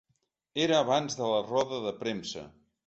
Era abans de la roda de premsa.